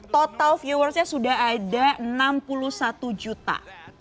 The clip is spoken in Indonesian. total viewersnya sudah ada enam puluh satu juta